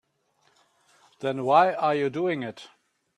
Then why are you doing it?